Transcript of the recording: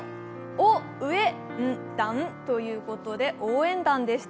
お上んだんということで応援団でした。